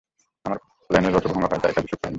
আমার প্ল্যানের রসভঙ্গ হয়, তাই কাজে সুখ পাই না।